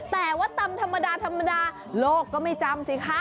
แต่ว่าตำธรรมดาธรรมดาโลกก็ไม่จำสิคะ